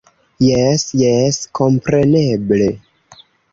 Jes, jes kompreneble